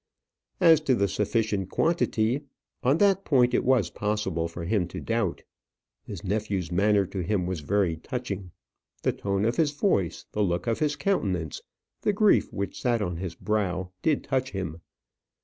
As to the sufficient quantity on that point it was possible for him to doubt. His nephew's manner to him was very touching; the tone of his voice, the look of his countenance, the grief which sat on his brow, did touch him.